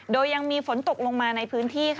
โดยยังมีฝนตกลงมาในพื้นที่ค่ะ